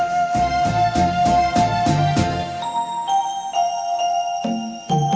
สกลายโดยทำให้สำคัญ